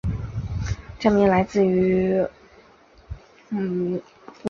站名来自于曼佐尼路和自由博物馆。